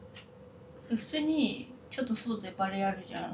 普通にちょっと外でバレーやるじゃん。